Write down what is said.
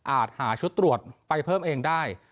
หาชุดตรวจไปเพิ่มเองได้